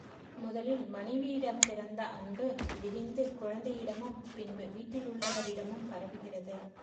முதலில் மனைவியிடம் பிறந்த அன்பு விரிந்து குழந்தையிடமும் பின்பு வீட்டிலுள்ளவரிடமும் பரவுகிறது.